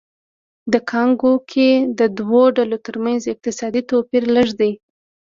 د کانګو کې د دوو ډلو ترمنځ اقتصادي توپیر لږ دی